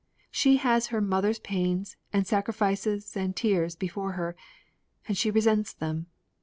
She has her mother's pains and sacrifices and tears before her, and she resents them.